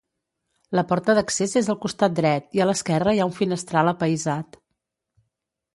La porta d'accés és al costat dret i a l'esquerra hi ha un finestral apaïsat.